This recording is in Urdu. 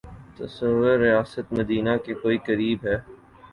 تصور ریاست مدینہ کے کوئی قریب ہے۔